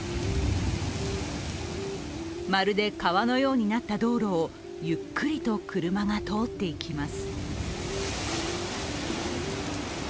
まるで川のようになった道路をゆっくりと車が通っていきます。